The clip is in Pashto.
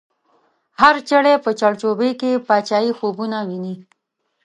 هر چړی په چړ چوبی کی، پاچایی خوبونه وینی